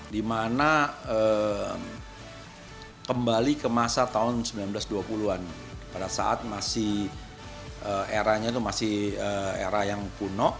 dimana kembali ke masa tahun seribu sembilan ratus dua puluh an pada saat masih eranya itu masih era yang kuno